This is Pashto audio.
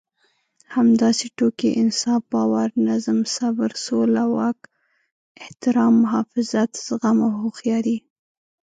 همداسې ټوکې، انصاف، باور، نظم، صبر، سوله، واک، احترام، محافظت، زغم او هوښياري.